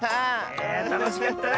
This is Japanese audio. いやたのしかったな！